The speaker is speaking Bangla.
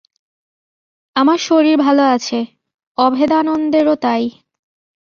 আমার শরীর ভাল আছে, অভেদানন্দেরও তাই।